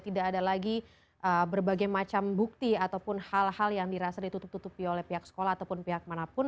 tidak ada lagi berbagai macam bukti ataupun hal hal yang dirasa ditutup tutupi oleh pihak sekolah ataupun pihak manapun